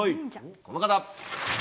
この方。